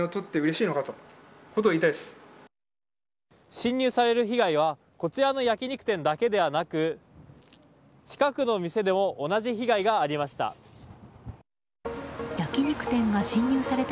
侵入される被害はこちらの焼き肉店だけではなく近くの店でも同じ被害がありました。